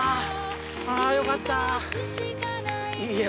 あぁよかった！